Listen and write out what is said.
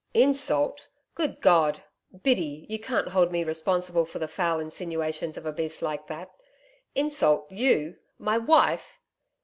'Insult! Good God! Biddy you can't hold me responsible for the foul insinuations of a beast like that. Insult YOU! my wife!'